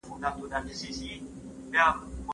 مور لومړنی ښوونځی دی چي اولاد ته د ژوند اساسي درسونه ورکوي